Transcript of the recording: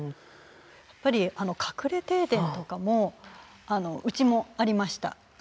やっぱりあの隠れ停電とかもうちもありました。